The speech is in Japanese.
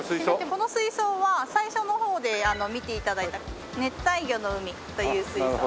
この水槽は最初の方で見て頂いた「熱帯魚の海」という水槽です。